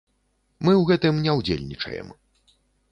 Мы ў гэтым не ўдзельнічаем.